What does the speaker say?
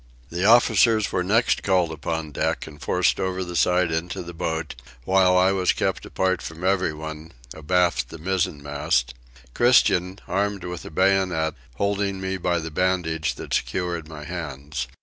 The officers were next called upon deck and forced over the side into the boat, while I was kept apart from everyone, abaft the mizenmast; Christian, armed with a bayonet, holding me by the bandage that secured my hands.